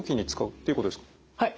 はい。